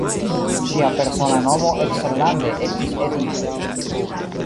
Ŝia persona nomo eksterlande estis "Edith".